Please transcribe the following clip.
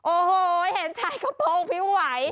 โอ้โหเห็นชายกระโปรงพิ้วไหว